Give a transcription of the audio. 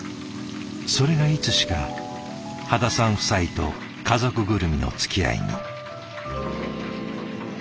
それがいつしか羽田さん夫妻と家族ぐるみのつきあいに。